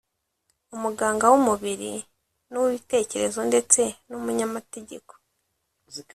umuganga (w’umubili n’uw’ibitekerezo) ndetse n’umunyamategeko